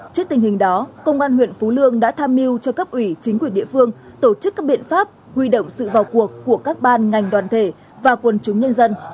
trước tình hình đó công an huyện phú lương đã tham mưu cho cấp ủy chính quyền địa phương tổ chức các biện pháp huy động sự vào cuộc của các ban ngành đoàn thể và quần chúng nhân dân